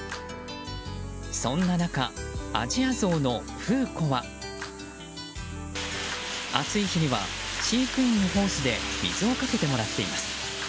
そんな中、アジアゾウのフー子は暑い日には飼育員にホースで水をかけてもらっています。